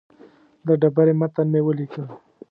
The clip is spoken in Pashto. د ډبرې متن مې ولیکه.